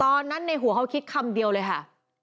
ตอนนั้นในหัวเขาคิดคำเดียวเลยค่ะ